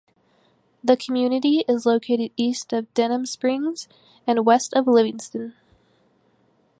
The community is located east of Denham Springs and west of Livingston.